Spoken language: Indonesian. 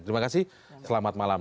terima kasih selamat malam